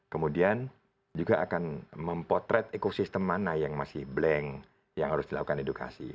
kemudian juga akan mempotret ekosistem mana yang masih blank yang harus dilakukan edukasi